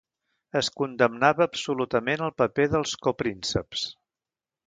Es condemnava absolutament el paper dels coprínceps.